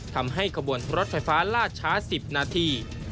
ทำให้ขบวนรถไฟฟ้าลาดช้า๑๐นาที